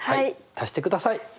足してください。